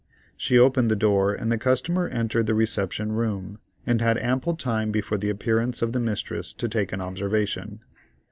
She opened the door and the customer entered the reception room, and had ample time before the appearance of the mistress to take an observation.